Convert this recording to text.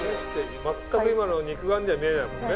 全く今の肉眼では見えないもんね。